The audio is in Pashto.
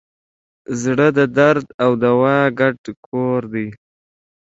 زړه د درد او دوا ګډ کور دی.